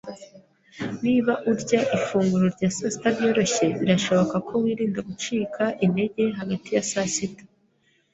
Niba urya ifunguro rya sasita ryoroshye, birashoboka ko wirinda gucika intege hagati ya saa sita.